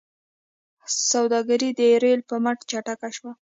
سوداګري د ریل په مټ چټکه شوه.